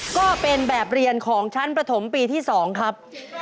ก็เป็นแบบเรียนของชั้นประถมปีที่๒ครับ